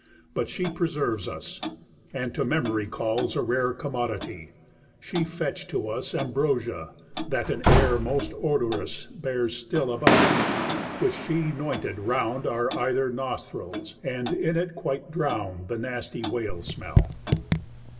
But she preserves us, and to memory calls A rare commodity; she fetch'd to us Ambrosia, that an air most odorous Bears still about it, which she 'nointed round Our either nosthrils, and in it quite drown'd The nasty whale smell.